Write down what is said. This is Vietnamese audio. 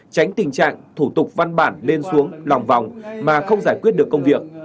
tránh tình trạng thủ tục văn bản lên xuống lòng vòng mà không giải quyết được công việc